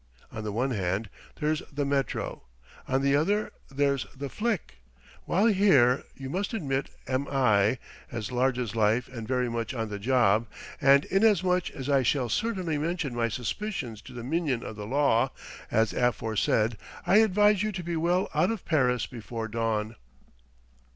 On the one hand, there's the Métro; on the other, there's the flic; while here, you must admit, am I, as large as life and very much on the job! ... And inasmuch as I shall certainly mention my suspicions to the minion of the law as aforesaid I'd advise you to be well out of Paris before dawn!"